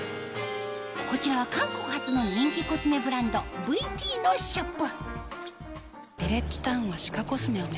こちらは韓国発の人気コスメブランドＶＴのショップ